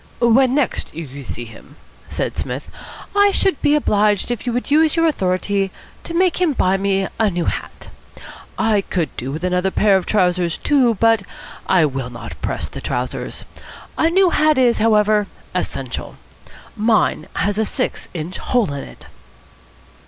"When next you see him," said Psmith, "I should be obliged if you would use your authority to make him buy me a new hat. I could do with another pair of trousers, too; but I will not press the trousers. A new hat, is, however, essential. Mine has a six inch hole in it."